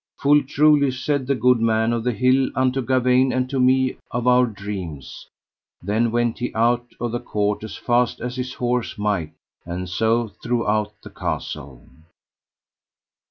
Full truly said the good man of the hill unto Gawaine and to me of our dreams. Then went he out of the court as fast as his horse might, and so throughout the castle.